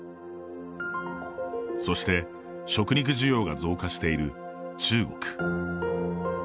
そして食肉需要が増加している中国。